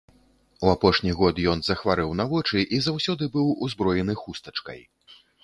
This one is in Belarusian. У апошні год ён захварэў на вочы і заўсёды быў узброены хустачкай.